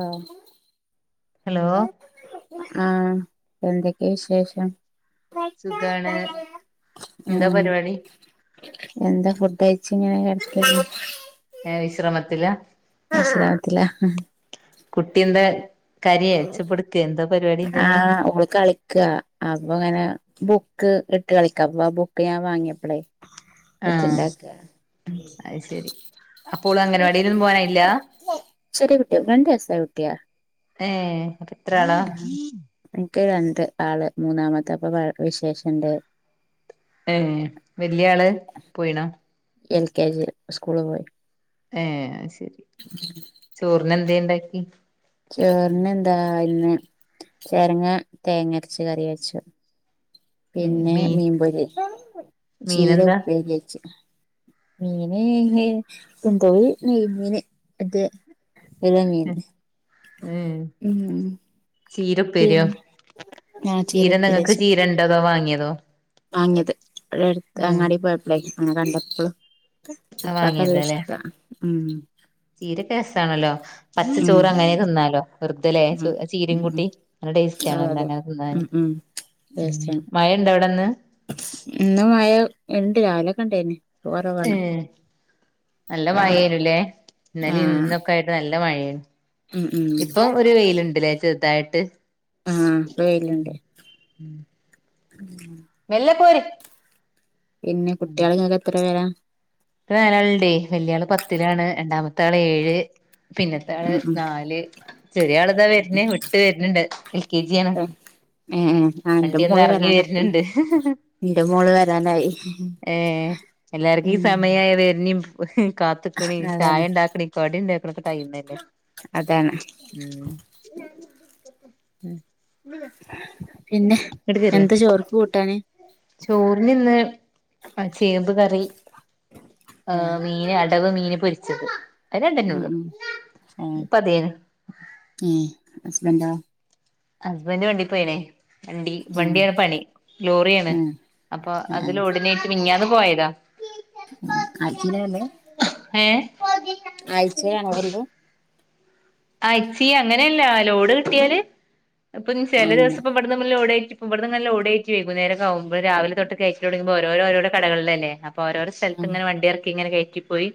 ആഹ് hello ആഹ് എന്തെക്കേ വിശേഷം സുഖാണ് മ് എന്താ പരിപാടി എന്താ ഫുഡയ്‌ ച്ച് ങ്ങനെ കെട്ക്കെ ഏ വിശ്രമത്തിലാ ആഹ് വിശ്രമത്തിലാ കുട്ട്യെന്താ ആഹ് ഓള് കളിക്കാ അപ്പ്ങ്ങനെ ബുക്ക് ഇട്ട് കളിക്കാ ആ ബുക്ക് ഞാ വാങ്യേപ്പളേ ആഹ് ഒച്ചണ്ടാക്കാ അത് ശരി അപ്പോള് അംഗൻവാടിയിലൊന്നും പോവാനായില്ല ചെറ്യേ കുട്ട്യാ രണ്ട് വയസായ കുട്ട്യാ ഏ എത്രാളാ ക്ക് രണ്ട് ആള് മൂന്നാമത്തെപ്പ വ വിശേഷണ്ട്. ഏ വല്ല്യേ ആള് പോയീണാ എൽ കെ ജീല് സ്കൂള് പോയി ഏ ശെരി ചോറിനെന്ത്യേണ്ടാക്കി ചോറിനെന്താ ഇന്ന് ചേരങ്ങ തേങ്ങര്ച്ച് കറി വെച്ചു. പിന്നെ മീൻ മീം പൊരി, ചീര മീനെന്താ പ്പേര്യേച്ചു. മീന് നെയ് എന്തോ നെയ് മീന് ഇത് വിര മീന് ഉം മ് ചീര ഉപ്പേര്യോ ചീര ചീരപ്പേരി നിങ്ങക്ക് ചീര ണ്ടതോ വാങ്യേതോ വാങ്യേത് ഇക്ക അങ്ങാടി പോയപ്പളേ കണ്ടപ്പോ വാങ്യേത് ഉപ്പാക്കല്ലേഷ്ട്ടാ മ് ചീരെക്കെ രസാണല്ലോ പച്ച ഉം ചോറ് അങ്ങനേ ത് ന്നാലോ? വെർതലേ ഉം ചീരീം ഉം കൂട്ടി നല്ല ടേസ്റ്റാണ് അതെ അതെ അങ്ങനെ ത് ന്നാന്. ഉം ഉം മ് ടേസ്റ്റാണ് മഴ ണ്ട ഇന്ന് മയ ണ്ട് രാവിലെക്കെണ്ടേയ്നു. ഏ നല്ല ഉം മയേനുലേ. ഇന്നലിം ആഹ് ഇന്നൊക്കായിറ്റ് നല്ല മയേ ഉം ഉം ഇപ്പോ ഒര് വെയ്ല്ണ്ട്ലേ ണ്ടല്ലേ ചെർതായ്റ്റ്. ആഹ് ഇപ്പൊ വെയിലുണ്ട് മെല്ലെ പോര് പിന്നെ കുട്ട്യാള് ങ്ങക്കെത്ര പേരാ? ക്ക് നാലാള്ണ്ടേ വല്ല്യാള് പത്തിലാണ്. രണ്ടാമത്താള് ഏഴ്. പിന്നത്തെ ഉം ആള് ഉം നാല് ചെറ്യാള്താ വര്ണ് വിട്ട് വര്ണ്ണ്ട് എൽ കെ ജ്യാണ്. ഏഹ് ഏഹ് ആഹ് ഇന്റെ വണ്ടി വന്ന് മോള് എർങ്ങി വരാനായിക്ക്ണ് വര്ണ്ണ്ട് ഇന്റെ മോള് വരാനായി എല്ലാർക്കും ഈ മ് സമയായ വെര്ണീം കാത്ത്ക്ക്ണീം ചായ അതാണ് ണ്ടാക്ക്ണീം ഒക്കെ ടൈമല്ലേ. അതാണ് മ് പിന്നെ എന്താ ചോർക്ക് കൂട്ടാന് ചോറിന് ഇന്ന് ചേമ്പ് കറി ഏഹ് മീന് വ് മീന് പൊരിച്ചത് അത് ഉ രണ്ടെന്നൊള്ളു ഉ ആ ഇപ്പ അതേന് ഹസ്ബൻന്റോ ഹസ്ബൻന്റ് വണ്ടി പോയിണേ വണ്ടി ആഹ് വണ്ടിയാണ് പണി ലോറിയാണ് ആഹ് അപ്പൊ അതില ഉടനെയിട്ട് മിനിഞ്ഞന്നും പോയത ആഴ്ചയില വന്ന ഏ ആഴ്ചയിലാണ വരുന്നേ ആ അഴ്ച്ചി അങ്ങനെയല്ല ലോഡ് കിട്ടിയാല് ഇപ്പൊ ചില അങ്ങനെ ദിവസപ്പ ഇവിടെന്ന് നമ്മള് ലോഡി ഇവിടന്നന്നല്ലോടറ്റി വൈകുന്നേര ആകുമോ രാവില തൊട്ട കയിറ്റി തുടങ്ങുമ്പോ ഓരോരോ കടകളിൽലല്ല അപ്പ ഓരോരോ സ്ഥലത്ത് ആഹ് ഇങ്ങനെ വണ്ടി ഇറക്കി ഇങ്ങനെ കയറ്റിപ്പോയി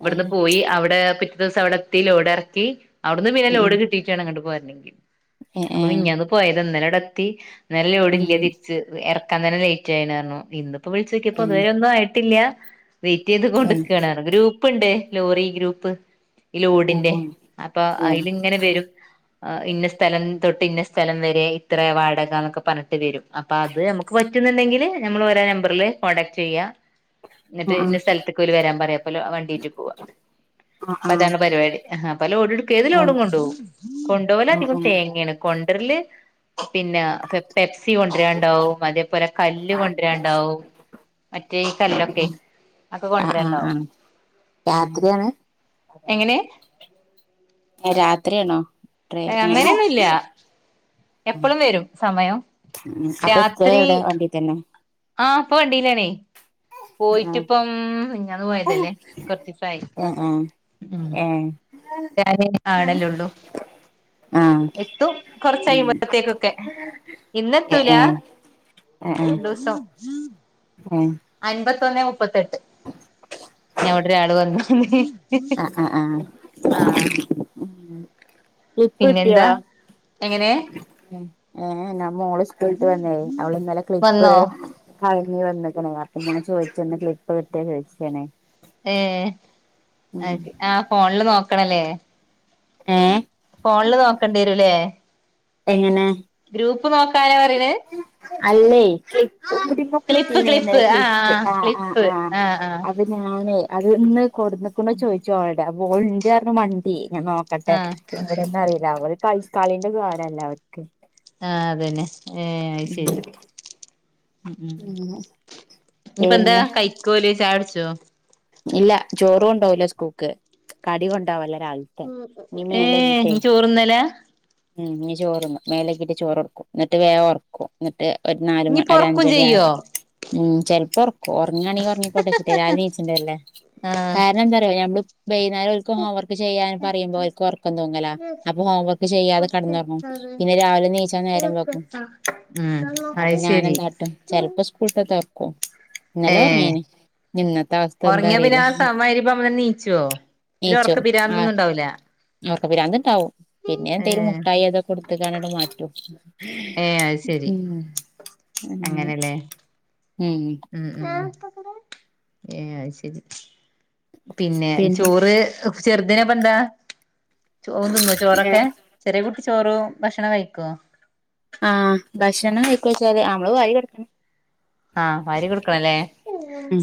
ഇവിടുന്ന് ഏഹ് പോയി അവിടെ ദിവസ അവിടെത്തി ലോഡ ഇറക്കി അവിടുന്ന് പിന്നെ ഉം ലോഡ് കിട്ടിട്ട് വേണം ഇങ്ങോട്ട് പോയിരുന്നെങ്കിൽ ഏഹ് അമ്മ ഏഹ് മിനിഞ്ഞാന്ന് പോയത് ഇന്നല ഇടത്തി അന്നേരലോട ഇല്ല അങ്ങനെ തിരിച്ച് അങ്ങനെ ലേറ്റ് ആയിയിരരുന്നു ഇപ്പോവിളിച്ചുക്കിയപ്പൊ ഏഹ് ഇതുവരെ ഒന്നുംയിട്ടില്ല വെയിറ്റ് ചെയ്ത് ഏഹ് കൊടുക്കണ ഗ്രൂപ്പ്ണ്ട് ലോറി ഗ്രൂപ്പ് ഈ ലോഡിന്റെ ആഹ് ആഹ് അപ്പൊ ഏഹ് അതില ഇങ്ങനെ വരും ഇന്ന സ്ഥലം തൊട്ട് ഇന്ന സ്ഥലം വരെ ഇത്ര വാടക എന്നൊക്കെ പറഞ്ഞിട്ട് വരും അപ്പൊ അത് നമുക്ക് പറ്റുന്നുണ്ടെങ്കിൽ നമ്മൾ നമ്പറിില് കോൺടാക്ട് ചെയ്യ എന്നിട്ട് ആഹ് ഇന്ന സ്ഥലത്തക്ക് അവര് വരാൻ പറയാപ്പ വണ്ടീട്ട് പോവാ അപ്പ ആഹ് ആഹ് ആഹ് അതാണ് പരിപാടി ആ അപ്പ ലോടടുക്ക ഏത ആഹ് ലോടും കൊണ്ടു പോവും കൊണ്ടുപോല അധികം ആഹ് തേങ്ങയാണ് കൊണ്ടരല്ല പിന്നെ സകൊണ്ടുവരാണ്ടാവും അതേപോലെ കല്ല് കൊണ്ടുവരാണ്ടാവും തെ കല്ലൊക്കെ ഒക്കെ ആഹ് ആഹ് ആഹ് കൊണ്ടരണ്ടാവും ആഹ് രാത്രിയാണ് രാത്രിയാണോ ഡ്രൈ ഏഹ് അങ്ങനെയൊന്നുംല്ല എപ്പളും വരും സമയം ഉ അപ്പൊ സ്റ്റേ എവിടെ വണ്ടി തന്നെ ആഹ അപ്പൊ വണ്ടിയിലാണേ ആഹ് പോയിട്ടിപ്പം ഞാന്ന് പോയതല്ലേ കൊറച്ച് ദിവസമായി ആഹ് ആഹ് ഉം ഏഹ് ഞാന ആണല്ലള്ളൂ ആഹ് എത്തും കൊറച്ച ഉം കഴിയുമ്പോഴത്തേക്കൊക്കെ ഇന്നെ ഏഹ് എത്തൂല ഏഹ് രണ്ടുസം ആഹ എമ്പത്തൊന്ന് മുപ്പത്തെട്ട് ഞവിടെട് വന്ന [inaudible] ആഹ ആഹ് ആഹ ഉ ഇപ്പട്ടിയ പിന്നെന്താ എങ്ങനെ ഏ മോള് സ്കൂള വന്ന അവള് ഇന്നല് ക്ലിപ്പ് വന്നോ കി വന്നക്കണേ അപ്പെ ചോദിച്ച ക്ലിപ്പ് കിട്ടിയ ചോദിച്ചണേ ഏ ആ ഫോണില് നോക്കണല്ലേ ഏ ഫോണില് നോക്കേണ്ടി വരൂല്ലേ ഏങ്ങനാ ഗ്രൂപ്പ് നോക്കാന പറെണ് അല്ലേ ക്ലിപ്പ് ക്ലിപ്പ് മുടികുത്തിനേര്ന്ന് ക്ലിപ്പ് ആ ആ ക്ലിപ്പ്ആ ക്ലിപ്പ് ആ ആ അ ഞാനേ അത്ന്ന്ന് കൊടുന്നക്കണ്ട ചോദിച്ചോളടെ അപ്പോ ന്റർന്ന് വണ്ടി ഞാൻ നോക്കട്ടെ ആ ഇവിടെന്ന അറിയില്ല അവ ഒരു കളിക്കളിന്റെ കാരല്ല അവർക്ക് ആഹ അതന്നെ ഏ ശരി ഉ ഉ ഉം ഇനിയിപ്പോ എന്താ പിന്നെ കഴിക്കുവല ചാടിച്ചോ ഇല്ല ചോറും കൊണ്ടാവലോ സ്കൂക്ക് കടി കൊണ്ടാവല്ലേ രാവിൽത്തെ ഏ ഇനിമേലയ്കി നീ കഴിക്കും ചോറുന്നലാ ഉം ചോറ മേലക്കിട്ട് ചോറിറക്കും എന്നിട്ട് വേം ഇറക്കും എന്നിട്ട് ഒരു നാല് മണി ഇനിയിപ്പൊ ഒരു ഒറക്കും അഞ്ചര മണിയ ചെയ്യോ ഉ ചിലപ്പോ ഉറക്കും ഉറങ്ങാണെങ്കിൽ ഉറങ്ങിക്കോട്ടെ ചിട്ടത്ീച്ചിണ്ടല്ലേ ആ കാരണം എന്താ പറയ നഞമ്മള് ബൈനാക്കുംർ [inaudible] ചെയ്യ പറയുമ്പോ അവ ഉറക്കം ത അപ്പൊ ഹോംവർക്ക് ചെയ്യാതെ കിടന്നങ്ങണം പിന്നെ രാവിലെ നീ നേരം വക്കും ഉം അപ്പോ അത് ഞാന ശരി എന്താട്ടും ചിലപ്പോ സ്കൂളി ഇന്നലെ ഉറങ്ങീന ഇനി ഇന്നത്തെ അവസ്ഥ എന്താ ഉറങ്ങിയ പിന്നെ അറിയില്ല ആ സമമാമാവാതെ അവനെണീക്കുവോ ഇ ഉറക്ക പിരാന്തൊന്നും ഉണ്ടാവൂല അ പിാന്ത്ണ്ടാവും പിന്നെ ഏ എന്തെേലും മുട്ടായി ഒക്കെ കൊടുത്ത്അതങ്ങ് കൊടുത്തങ്ങട്ട് മാറ്റും ഏ അ ശരി ഉം അങ്ങനെ അങ്ങനെല്ലേ ഉം ഏ ശരി പിന്നെ ചോറ് ചെറുതിനിപ്പ എന്താ ചോ തിന്നു ചോറൊക്കെ ചെറിയ കുട്ടിചോറ ഭക്ഷണം കഴിക്കുവോ ആഹ ഭക്ഷണം കഴിക്കച്ച അവമ്മള് വാരി എടുക്കണം ആഹ് വാരി കൊടുക്കണല്ലേ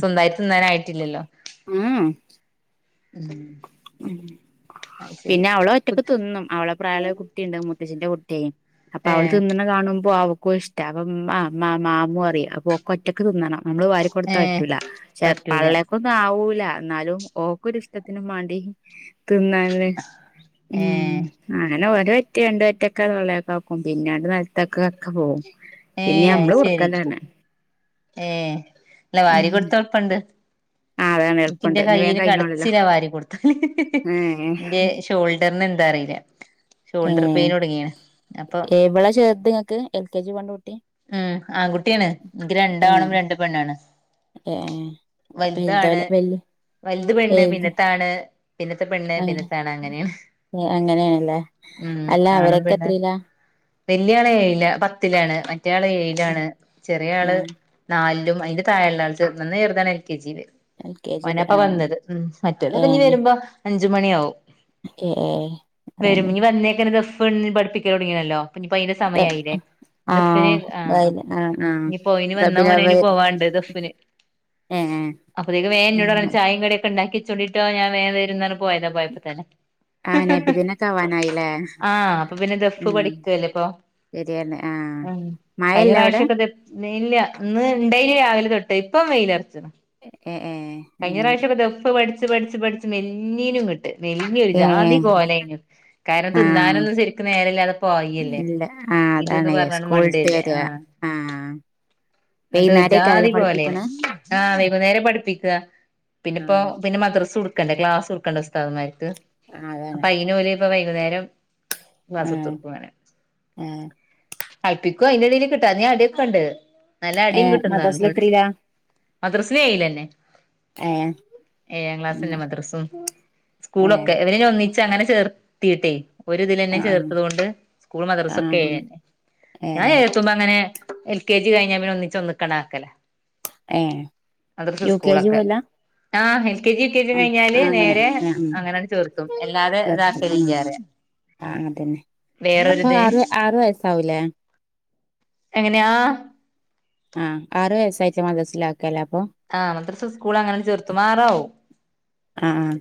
സ്വന്തമായി തിന്നാന ആയിട്ടില്ലല്ലോ ആഹ ഉം ഉ അത് ശരി പിന്നെ അവളോ ഒറ്റക്കെ തിന്നും അവളെ പ്രായം കുട്ടിയുണ്ട്ും മുത്തശ്ശിന്റെ കുട്ടിയ അപ്പൊ ഏ അവൾ തിന്നുന്ന കാണുമ്പോ ആ ഇഷ്ട അപ്പം മാമൂ അറിയാം അപ്പൊ ഒറ്റക്ക് തിന്നണം നമ്മള് വാ ഏ കൊടുത്താൻ പറ്റൂല പക്ഷെ പറ്റൂല പള്ളയക്കൊന്നും ആവൂല എന്നാലും ഓക്കൊരഷ്ടത്തിനും മ തിന്ന ഏ അങ്ങനെ ഓര ഒറ്റണ്ട് ഒറ്റക്കെെള്ളയൊക്കെ ആക്കും പിന്നെണ്ട് നരത്തക്കെ ക്ക പോ ഏ പിന്നെ നമ്മള് അത് ശരി കൊറക്കലാണ് ഏ അല്ല വാരി കൊടുത്ത് കൊഴപ്പണ്ട് ആ അതാണ് എളുപ്പണ്ട് എനിക്കിന്റെ ഇന്ന് വേഗം കയ്ന് കഴിഞ്ഞോളല്ലോ കടച്ചില്ല വാരി കൊടുത്തല് ഏഹ് എന്റെ ഷോൾഡറിന് ന്താ അറിയില്ല ഷോൾഡർ ഉം പെയിൻ തുടങ്ങിയാണ് അപ്പൊ എവിട ചേർത്ങ്ങക്ക് എൽ കെ ജിക്കൊണ്ട് വി ഉം ആൺകുട്ടിയാണ് എനിക്ക് ഏ രണ്ടാണും രണ്ടുപെണ്ണാണ് ഏ വലുതാണ് വലുതോല വല്യ വലുത് പെണ്ണ് വലുത് പിന്നത്താണ് പിന്നത്തെ പെണ്ണ് ആ പിന്നത്തെ ആണ അങ്ങനെയാണ് അങ്ങനെയാണല്ലേ ഉം അല്ല ആണും അവരൊക്കെ പെണ്ണുമാ പിന്നെ എത്രയിലാ വല്യ ആള ഏഴിലല്ല പത്തിലാണ് മറ്റ ഏഴിലാണ് ചെറിയ ഏ ആള് നാലിലും അതിന്റെ താഴുള്ള ആൾന്ന് ചെറുതാണ് എൽ കെ ജിയില് എൽ കെ ജിയില് ഓനപ്പ ആ വന്നത് ഉ മറ്റല്ലോ ഇനി ഏ വരുമ്പോ അഞ്ച് മണിയാവും ഏ [unintelligible] അതന്നെ പെണ്ണ്പഠിപ്പിക്കൽ തുടങ്ങിയല്ലോ പിന്ന ഇപ്പ അതിന്റെ സമയമായില്ലേ ആ എ പിന്നെ ആ ആ ആ ഇനി പോയിന് വന്നാ റബിൽ മോനന് അവ്വൽ പോവാണ്ട് ഗൾഫിന് അപ്പൊത്തേക്ക് വേഗം എന്നോടു ഏ പറയും ചായയും കടി ഒക്കെ ഉണ്ടാക്കി വച്ചേട്ടോ ഞാൻ വേഗം വരുന്നന് പോയതാ പോയ പിന്നെ ഹ ആഹ് ഹ നബിദിനൊക്കെ ആവാനായില്ലേ ആഹ് ഇപ്പൊ പിന്നെ ദഫ് പഠിക്കല്ലേ ഇപ്പൊ ശരിയന്നെ ആഹ് ഉ കഴിഞ്ഞ മഴല്ല അവിടെ പ്രാവശ്യം ഒക്കെ ഇല്ല ഇന്ന് ഉണ്ടായില് രാവിലെ തൊട്ട് ഇപ്പം വെയില ഏ ഏ കഴിഞ്ഞ അങ്ങനെ പ്രാവശ്യംക്ക ദഫ് പഠിച്ച പഠിച്ചു പഠിച്ച് മെല്ലിനും മെലിഞ്ഞു ഒരു ഏ ജാതി കോലാരുന്നു കാരണം ആഹ് തിന്നാനൊന്നും ശരിക്കും നേരെല്ലാതെ പോയില്ലേ ആഹഹ് അതാണ് എ മണ്ടയിലേ ആ എനീട്ട് ജാതി വൈകുന്നേരേക്കാരല്ലേ പോലെയ പഠിപ്പിക്കണെ ആ വൈ കുനേരെ പഠിപ്പിക്കുക പിന്നെപ്പോ ആഹ് പിന്നെ മദ്രസ എടുക്കണ്ടേ ക്ലാസ് എടുക്കണ്ടെ ഉസ്താദൻമാർക്ക് ആഹ് അതാണ് അപ്പൊ അയിന് പോലെ ഇപ്പ വൈകുന്നേരം ആഹ് മാസത്തൂർക്കുമങ്ങനെ ആഹ് കല്പ്പിക്കുവ അതിന്റെടിൽ കിട്ടാ നീ അടിയൊക്കെുണ്ട് നല്ല അടിയും ഏഹ് കിട്ടുന്ന മദ്രസയിൽ പറഞ്ഞന്നോട് എത്രയിലാ മദറസനയില്ലെന്നെ ഏഹ് ഏഴാം ക്ലാസ് തന്നെ മദ്രസും ഏഹ് സ്കൂളൊക്കെ ഇവര്നി ഒന്നി ച്ചങ്ങനെ ചേർത്തിട്ടെ ഒരിതിലന്നെ ആഹ് ആഹ് ചേർത്തത് കൊണ്ട് സ്കൂൾ ആഹ് മദ്രസൊക്കെ അതന്നെ ഏഴന്നെ ഞാൻ ഏഹ് ചേർത്തുമ്പ അങ്ങനെ എൽ കെ ജി കഴിഞ്ഞ പിന്നെ ഒന്നിച്ച് ഒന്നിക്കണ് ആക്കല ഏഹ് അതൊക്കെ യു കെ ജി സ്കൂളൊക്കെ പോവലാ ആഹ് L K G, U K G ആഹ് കഴിഞ്ഞാല് അങ്ങനെ നേരെ ആഹ് ഉം അങ്ങനെനങ്ങ് ചേർത്തും അല്ലാതെ ഇതാക്കലല്ലാതെ ആ അതന്നെ അപ്പൊ ആറ് ആറു വയസാവൂലേ എങ്ങനെയാ ആ ആറ് വയസ്സിലായിട്ടാ മദറസലാ ആ മദ്റസ സ്കൂൾ അങ്ങനെ ചേർത്തു മാറാവോ ആഹ്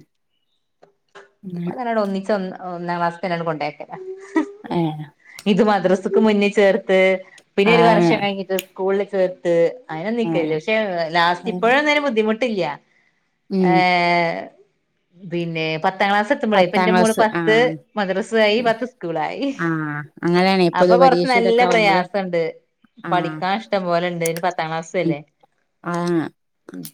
അതല്ലടോ ഒന്നിച്ച് ഒന്ന ഒന്നാം ക്ലാസ്സക്കന്നെ കൊണ്ടക്കിയതാ ആ ഇത് മദ്രസക്ക് മുന്നിൽ ചേർത്ത് പിന്നെ ഒരു ആഹ് വർഷം കഴിഞ്ഞിട്ട് സ്കൂളില് ചേർത്ത് അതിനൊന്നും നിക്കേല് പക്ഷേ ലാസ്റ്റ് ആഹ് ഇപ്പോഴെന്നേും അതിന് ബുദ്ധിമുട്ടില്ല ഉം ആ പിന്നെ പത്ത പത്താം ക്ലാസ് എത്തുമ്പോഴായി ഇപ്പ പത്താം എന്റെ മോള് ക്ലാസ് പത്ത് ആഹ് മദ്രസായി പത്ത് സ്കൂളായി ആഹ് അങ്ങനെയാണെ അപ്പൊ പൊതു കൊറച്ച് പരീക്ഷ നല്ല ഇതൊക്കെ ആവുമ്പള് പ്രയാസമുണ്ട് ആഹ് പഠിക്കാൻ ഇഷ്ടം പോലെ ഉണ്ട് അതിന് പത്താം ക്ലാസ്സ് ഉം അല്ലേ ആഹ്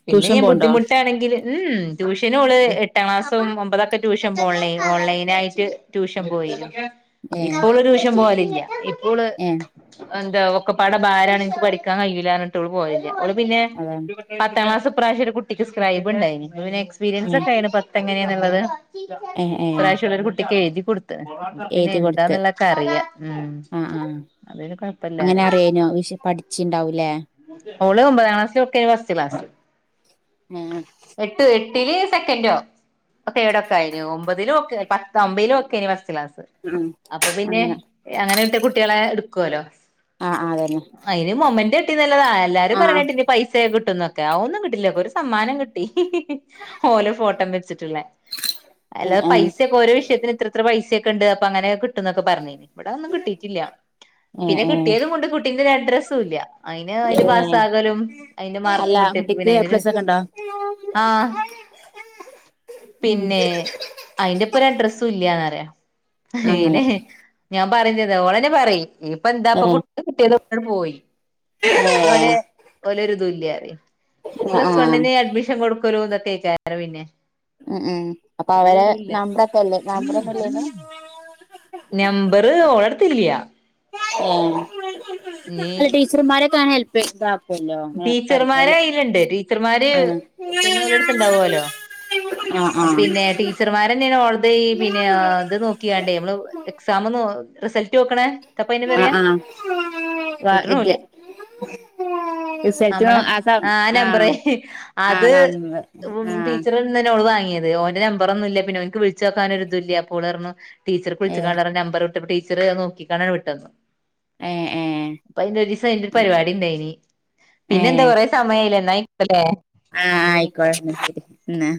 പിന്നെ ട്യൂഷൻ ഞാൻ പോണ്ടോ ബുദ്ധിമുട്ടാണെങ്കിൽ ഉം ട്യൂഷന് ഓള് എട്ടാം ക്ലാസ് ഒൻപതൊക്കെ ട്യൂഷൻ പോണില്ല ഓൺലൈൻ ആയിട്ട് ട്യൂഷൻ പോയിരുന്നു ഏഹ് ഇപ്പോള് ഒരു വർഷം പോവലില്ല ഇപ്പോള് ഏഹ് എന്താ ഒക്കപ്പാടെ ഭാരമാണെനിക്ക് പഠിക്കാൻ കഴിയില്ല എന്നിട്ട് ഓള് പോയല്ലേ ഓള് പിന്നെ അതാണ് പത്താം ക്ലാസ് ഇപ്രാവശ്യം ഒരു കുട്ടിക്ക് സ്ക്രൈബ് ഉണ്ടായിന് അത് പിന്നെ എക്സ്പീരിയൻസ് ഏഹ് ഒക്കെയാണ് പത്ത് എങ്ങനെയാന്നുള്ളത് ഏഹ് ഏഹ് ഈപ്രാവിശ്യം ഉള്ളരു കുട്ടിക്കെ എ പിന്നെ എഴുതി കൊടുത്ത് എന്താന്നുള്ളതെക്കെ അറിയാം ഉം ആഹ് ആഹ് അത് പിന്നെ അങ്ങനെ കൊഴപ്പല്ലാറിയ അറിയാനോ വി പഠിച്ചിണ്ടാവൂലേ ഓള് ഒമ്പതാം ക്ലാസ്സിലാക്കെ ഫസ്റ്റ് ക്ലാസ് ആഹ് എട്ട് എട്ടില് സെക്കൻോ തേർഡ് ഒക്കെ ആയിന് ഒമ്പതിലും ഒക്കെ ഒമ്പലും ഓക്കാരുന്നു ഫസ്റ്റ് ക്ലാസ് ആഹ് അപ്പൊ പിന്നെ അങ്ങനെ അങ്ങനെ വിട്ട കുട്ടികളെ എടുക്കുവല്ലോ ആഹ് ആഹ് അതന്നെ അതിന് മെമ്മന്റെം കിട്ടിയതല്ലാതെ എല്ലാരും ആഹ് പറയണ കേട്ട് ഇനി പൈസ കിട്ട ട്ടന്നൊക്കെ ആ ഒന്നും കിട്ടില്ല ഒരു സമ്മാനം കിട്ടി ഓലെ ഫോട്ടോം വെച്ചിട്ടുള്ളെ അല്ലാെ ആഹ് ആഹ് പൈസൊക്കെ ഓര വിഷയത്തി ഇത്ര പൈസയക്ക ഉണ്ട് അപ്പൊ അങ്ങനെ കിട്ടുന്നൊക്ക പറഞ്ഞിന് ഇവിടെ ഒന്നും കിട്ടിട്ടില്ല ഏഹ് പിന്നെ ഏഹ് കിട്ടിയതും കൊണ്ട് കുട്ടീന്റെ ഒരു അഡ്രസ്സും ഇല്ല അതിന് അതിന്റെ ഏഹ് പാസകലും അതിന്റെ അല്ല മാർക്കും കിട്ടി കുട്ടിക്ക് എ പ്ലസ് ഒക്കെ ഉണ്ടോ ആഹ് ഉം പിന്നെ അയിന്റെപ്പൊ ഒരു അഡ്രസ്സും ഇല്ലന്ന് പറയും അങ്ങനെ ഏനെ ഞാൻ പറഞ്ഞതാ ഓളന്നെ പറയും ഇപ്പ എന്താപ്പൊ ഏഹ് കുട്ട കിട്ടിയത് പോയി ഏഹ് പിന്നെ ഓല ഒരുതുമില്ല പ്ലസ് ആഹ് വണ്ണിന് അഡ്മിഷൻ കൊടുക്കലു ഇതൊക്കെ വിചാരാ പിന്നെ ഉം ഉം അപ്പൊ ഒരു അവരെ വിവരൂല്ല നമ്പറൊക്കെല്ലേ നമ്പർ ഒന്നല്ലന്നു നമ്പർ ഓളെടുത്തില്ല അല്ല ടീച്ചർമാരക്കെ ഹെല്പ് ചെയ്ത ടീച്ചർമാരെ അയിലുണ്ട് ടീച്ചർമാര് ആഹ് പിന്നെ ഓളടുത്ത് ഉണ്ടാവല്ലോ ആഹ് പിന്നെ ടീച്ചർമാർന്നെയാണ് ഓളുടെത് പിന്നെ ഇത് നോക്കിയണ്ടേ നമ്മളടെത് എക്സാമ് റിസൾട്ട് നോക്കണ എന്തായിപ്പ അതിന് ആഹ് ആഹ് പറയാ ആഹ് വ ഇത് കിട്ടണപോലെ റിസൾട്ട് നമ്മള് സം ആ നമ്പർ ആഹ് അത് ആഹ് നമ്പർ ആഹ് ടീച്ചർ ഉ- വാങ്ങത് ഓന്റെ നമ്പറൊന്നല്ല ഓന്ക്ക് വിളിച്ച് ച്ചോക്കാനൻ ഒരു ഇതും ഇല്ല അപ്പോൾ ഓള് പറഞ്ഞു ടീച്ചർ ഏഹ് വിളിച്ചിക്ക നമ്പർ വിട്ട് ടീച്ചർ നോക്കിക്കാണാൻ വിട്ടത് ഏഹ് ഏഹ് അപ്പ അതിന്റെ ഒരു ദിവസം അതിന്റെ ഒരു പരിപാടി ഉണ്ടായിനി പിന്നെ എന്താ കൊറ സമയം [unintelligible] ആ ആ ആയിക്കോ ന്നാ